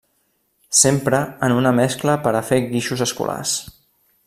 S'empra en una mescla per a fer guixos escolars.